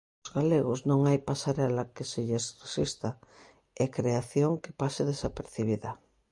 Aos galegos non hai pasarela que se lles resista e creación que pase desapercibida.